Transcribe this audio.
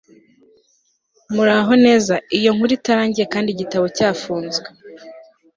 muraho neza iyo inkuru itarangiye kandi igitabo cyafunzwe